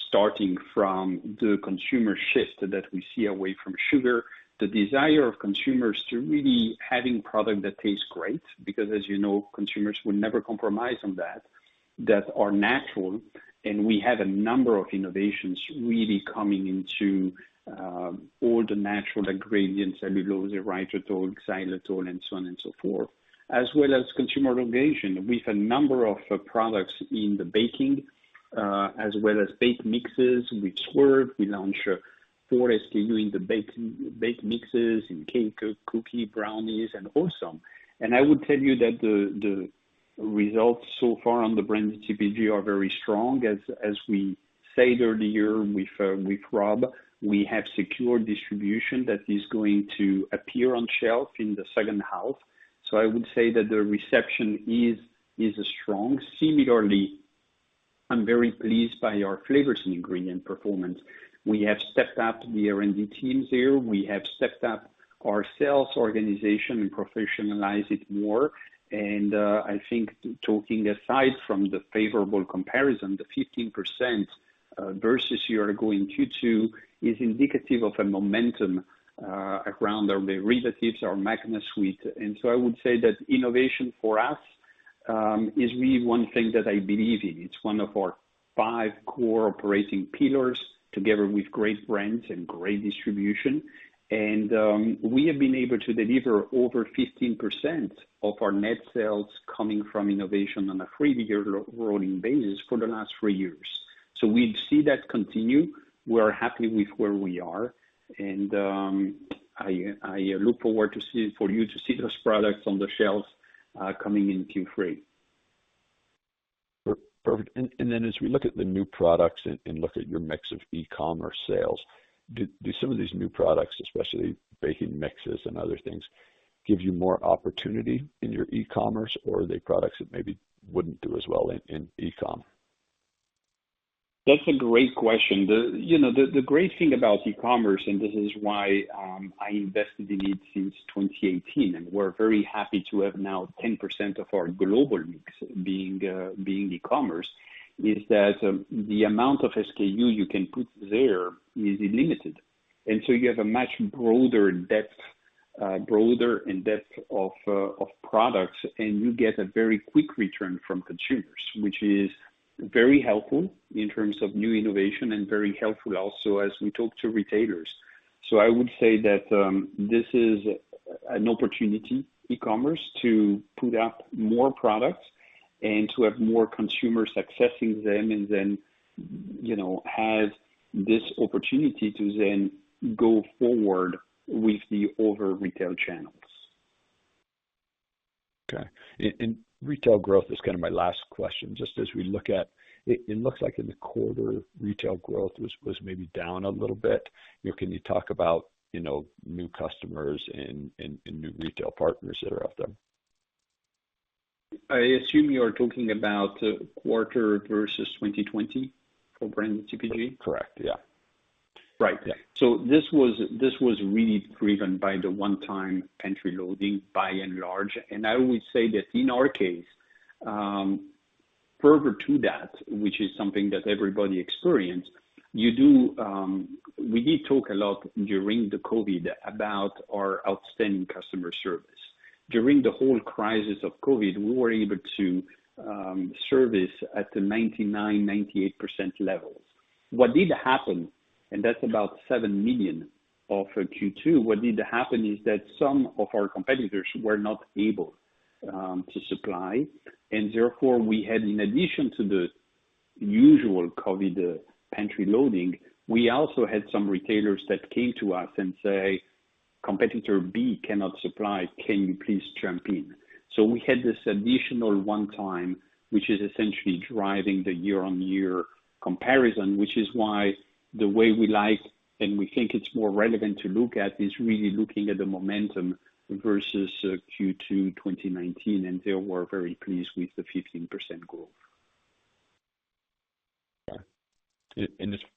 starting from the consumer shift that we see away from sugar, the desire of consumers to really having product that tastes great, because as you know, consumers will never compromise on that are natural. We have a number of innovations really coming into all the natural ingredients, allulose, erythritol, xylitol, and so on and so forth, as well as consumer innovation with a number of products in the baking, as well as baked mixes with Swerve. We launched four SKU in the baked mixes in cake, cookie, brownies and Wholesome. I would tell you that the results so far on the branded CPG are very strong. As we said earlier with Rob, we have secure distribution that is going to appear on shelf in the second half. I would say that the reception is strong. Similarly, I'm very pleased by our flavors and ingredient performance. We have stepped up the R&D teams here. We have stepped up our sales organization and professionalized it more. I think talking aside from the favorable comparison, the 15% versus year ago in Q2 is indicative of a momentum around the derivatives of Magnasweet. I would say that innovation for us is really one thing that I believe in. It's one of our five core operating pillars together with great brands and great distribution. We have been able to deliver over 15% of our net sales coming from innovation on a three-year rolling basis for the last three years. We see that continue. We're happy with where we are, and I look forward for you to see those products on the shelves coming in Q3. Perfect. As we look at the new products and look at your mix of e-commerce sales, do some of these new products, especially baking mixes and other things, give you more opportunity in your e-commerce, or are they products that maybe wouldn't do as well in e-com? That's a great question. The great thing about e-commerce, and this is why I invested in it since 2018, and we're very happy to have now 10% of our global mix being e-commerce, is that the amount of SKU you can put there is unlimited. You have a much broader depth of products, and you get a very quick return from consumers, which is very helpful in terms of new innovation and very helpful also as we talk to retailers. I would say that this is an opportunity, e-commerce, to put out more products and to have more consumers accessing them and then have this opportunity to then go forward with the other retail channels. Okay. Retail growth is my last question. It looks like in the quarter, retail growth was maybe down a little bit. Can you talk about new customers and new retail partners that are out there? I assume you're talking about quarter versus 2020 for branded CPG? Correct, yeah. Right. Yeah. This was really driven by the one-time pantry loading by and large. I would say that in our case, further to that, which is something that everybody experienced, we did talk a lot during the COVID about our outstanding customer service. During the whole crisis of COVID, we were able to service at the 99%, 98% levels. What did happen, and that's about $7 million of Q2, what did happen is that some of our competitors were not able to supply, and therefore, we had, in addition to the usual COVID pantry loading, we also had some retailers that came to us and say, "Competitor B cannot supply. Can you please jump in? We had this additional one-time, which is essentially driving the year-on-year comparison, which is why the way we like, and we think it's more relevant to look at, is really looking at the momentum versus Q2 2019, and there we're very pleased with the 15% growth. Okay.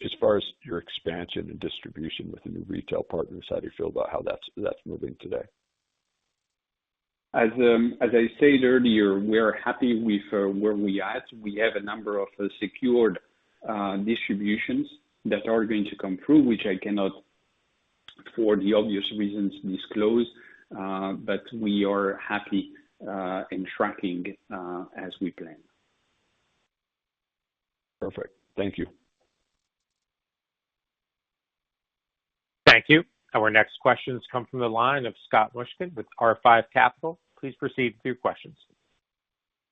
As far as your expansion and distribution with the new retail partners, how do you feel about how that's moving today? As I said earlier, we're happy with where we at. We have a number of secured distributions that are going to come through, which I cannot, for the obvious reasons, disclose. We are happy, and tracking, as we plan. Perfect. Thank you. Thank you. Our next question comes from the line of Scott Mushkin with R5 Capital. Please proceed with your questions.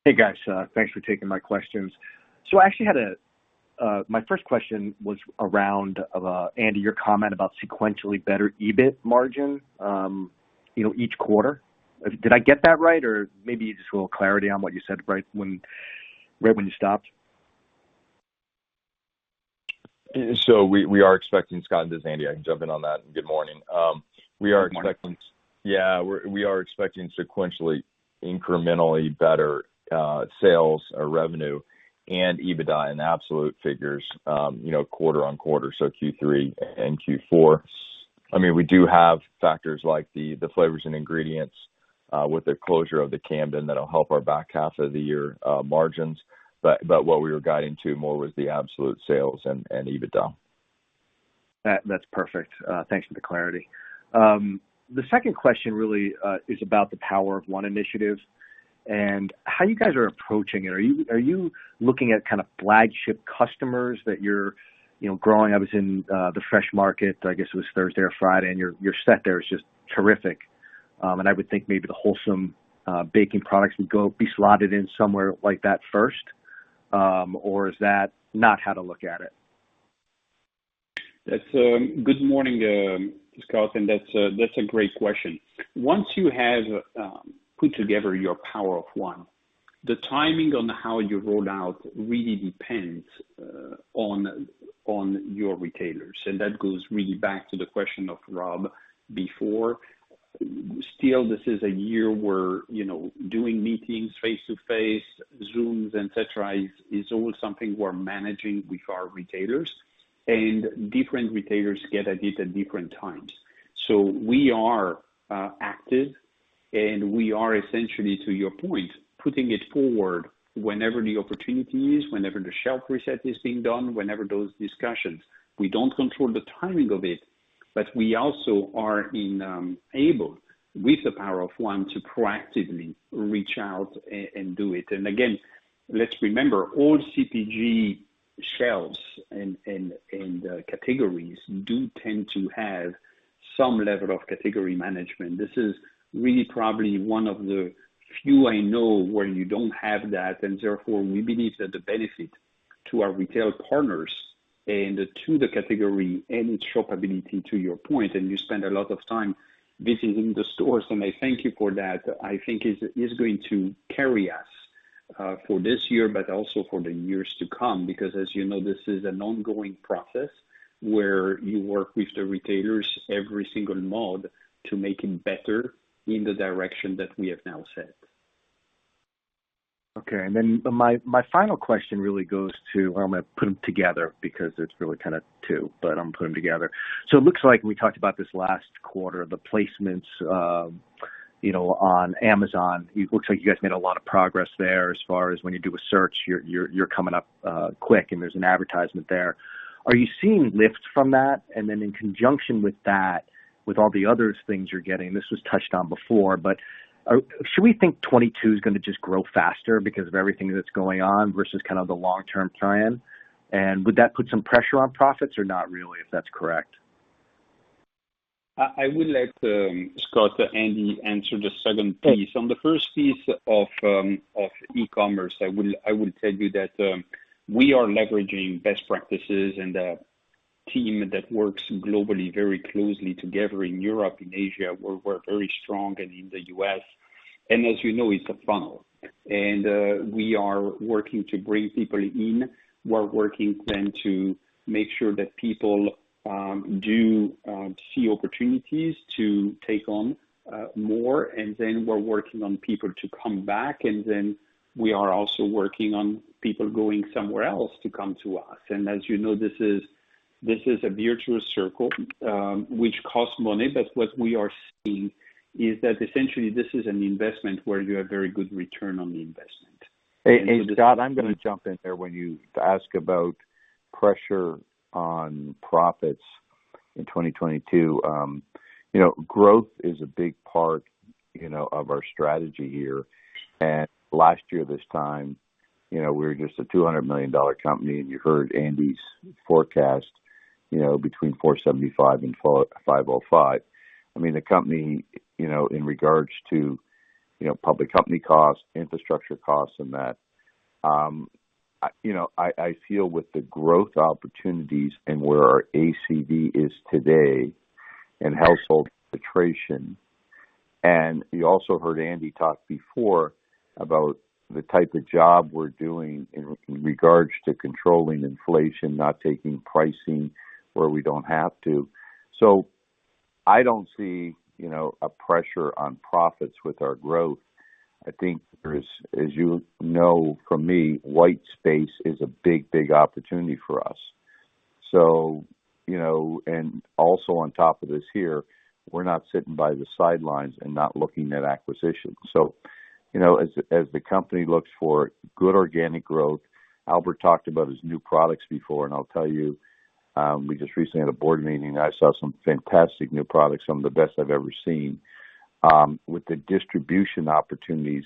Hey, guys. Thanks for taking my questions. My first question was around, Andy, your comment about sequentially better EBIT margin each quarter. Did I get that right? Maybe just a little clarity on what you said right when you stopped. We are expecting, Scott, and this is Andy, I can jump in on that, and good morning. Good morning. Yeah. We are expecting sequentially incrementally better sales or revenue and EBITDA in absolute figures quarter-on-quarter, so Q3 and Q4. We do have factors like the flavors and ingredients with the closure of the Camden that'll help our back half of the year margins. What we were guiding to more was the absolute sales and EBITDA. That's perfect. Thanks for the clarity. The second question really is about the Power of One initiative and how you guys are approaching it. Are you looking at kind of flagship customers that you're growing? I was in The Fresh Market, I guess it was Thursday or Friday, and your set there is just terrific. I would think maybe the Wholesome Baking products would be slotted in somewhere like that first. Is that not how to look at it? Good morning, Scott. That's a great question. Once you have put together your Power of One, the timing on how you roll out really depends on your retailers, and that goes really back to the question of Rob before. This is a year where doing meetings face-to-face, Zooms, et cetera, is all something we're managing with our retailers. Different retailers get at it at different times. We are active, and we are essentially, to your point, putting it forward whenever the opportunity is, whenever the shelf reset is being done, whenever those discussions are. We don't control the timing of it, but we also are able, with the Power of One, to proactively reach out and do it. Again, let's remember, all CPG shelves and categories do tend to have some level of category management. This is really probably one of the few I know where you don't have that. Therefore, we believe that the benefit to our retail partners and to the category and shoppability, to your point, and you spend a lot of time visiting the stores, and I thank you for that, I think is going to carry us for this year, but also for the years to come. As you know, this is an ongoing process where you work with the retailers every single month to make it better in the direction that we have now set. Okay. My final question really goes to well, I'm going to put them together because it's really kind of two, but I'm putting them together. It looks like we talked about this last quarter, the placements on Amazon, it looks like you guys made a lot of progress there as far as when you do a search, you're coming up quick and there's an advertisement there. Are you seeing lifts from that? In conjunction with that, with all the other things you're getting, this was touched on before, but should we think 2022 is going to just grow faster because of everything that's going on versus the long-term plan? Would that put some pressure on profits or not really, if that's correct? I will let Scott and Andy answer the second piece. On the first piece of e-commerce, I will tell you that we are leveraging best practices and a team that works globally very closely together in Europe, in Asia, where we're very strong, and in the U.S. As you know, it's a funnel. We are working to bring people in. We're working then to make sure that people do see opportunities to take on more. We're working on people to come back, and then we are also working on people going somewhere else to come to us. As you know, this is a virtuous circle, which costs money. What we are seeing is that essentially this is an investment where you have very good return on the investment. Hey, Scott, I'm going to jump in there. When you ask about pressure on profits in 2022. Growth is a big part of our strategy here. Last year this time, we were just a $200 million company, and you heard Andy's forecast between $475 million and $505 million. The company, in regards to public company costs, infrastructure costs, and that, I feel with the growth opportunities and where our ACV is today and household penetration. You also heard Andy talk before about the type of job we're doing in regards to controlling inflation, not taking pricing where we don't have to. I don't see a pressure on profits with our growth. I think there is, as you know from me, white space is a big opportunity for us. Also on top of this here, we're not sitting by the sidelines and not looking at acquisitions. As the company looks for good organic growth, Albert talked about his new products before, and I'll tell you, we just recently had a board meeting, and I saw some fantastic new products, some of the best I've ever seen. With the distribution opportunities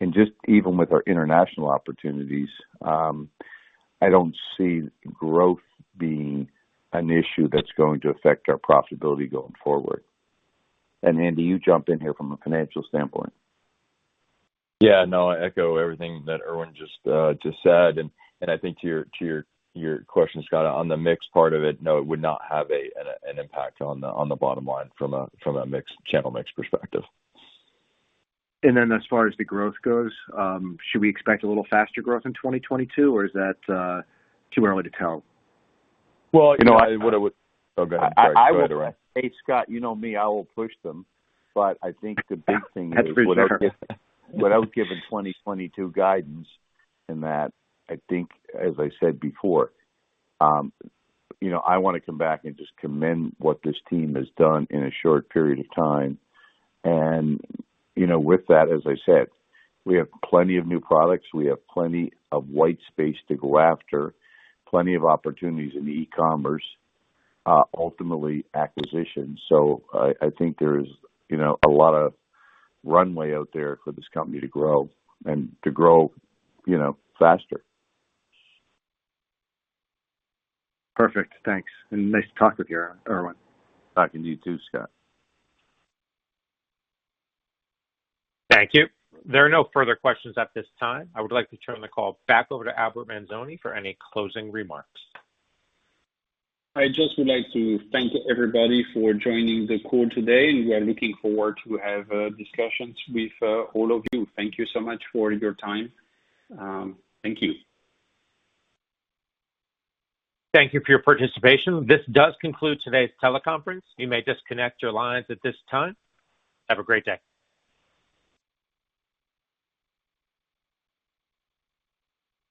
and just even with our international opportunities, I don't see growth being an issue that's going to affect our profitability going forward. Andy, you jump in here from a financial standpoint. Yeah, no, I echo everything that Irwin just said. I think to your question, Scott, on the mix part of it, no, it would not have an impact on the bottom line from a channel mix perspective. As far as the growth goes, should we expect a little faster growth in 2022, or is that too early to tell? Well- I would- Oh, go ahead, Irwin. Hey, Scott, you know me, I will push them. I think the big thing is. That's fair. without giving 2022 guidance in that, I think, as I said before, I want to come back and just commend what this team has done in a short period of time. With that, as I said, we have plenty of new products. We have plenty of white space to go after, plenty of opportunities in e-commerce, ultimately acquisition. I think there is a lot of runway out there for this company to grow and to grow faster. Perfect. Thanks, and nice to talk with you, Irwin. Talking to you too, Scott. Thank you. There are no further questions at this time. I would like to turn the call back over to Albert Manzone for any closing remarks. I just would like to thank everybody for joining the call today. We are looking forward to have discussions with all of you. Thank you so much for your time. Thank you. Thank you for your participation. This does conclude today's teleconference. You may disconnect your lines at this time. Have a great day.